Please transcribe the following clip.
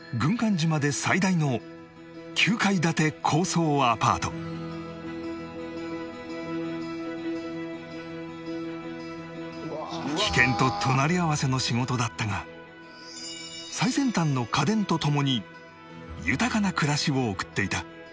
島で最大の９階建て高層アパート危険と隣り合わせの仕事だったが最先端の家電と共に豊かな暮らしを送っていた